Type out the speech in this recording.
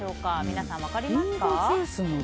皆さん、分かりますか？